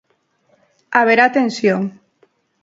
Haberá tensión.